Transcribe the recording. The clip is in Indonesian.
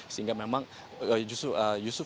sehingga memang yusuf